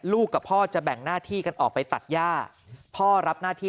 กับพ่อจะแบ่งหน้าที่กันออกไปตัดย่าพ่อรับหน้าที่